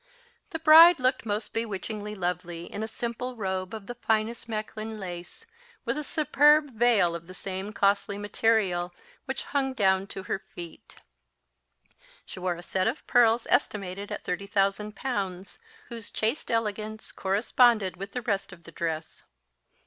The bride looked most bewitchingly lovely, in a simple robe of the finest Mechlin lace, with a superb veil of the same costly material, which hung down to her feet. She wore a set of pearls estimated at thirty thousand pounds, whose chaste elegance corresponded with the rest of the dress.